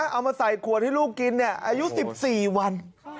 เอามาใส่ขวดให้ลูกกินอายุ๑๔วัน